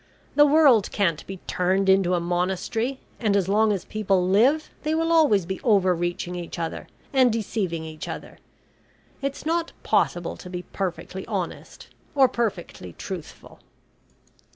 The world can't be turned into a monastery, and as long as people live they will always be overreaching each other, and deceiving each other. It's not possible to be perfectly honest, or perfectly truthful."